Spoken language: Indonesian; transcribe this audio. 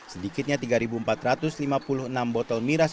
sedikitnya tiga empat ratus lima puluh enam botol miras